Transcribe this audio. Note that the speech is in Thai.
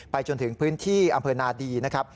จนถึงพื้นที่อำเภอนาดีนะครับ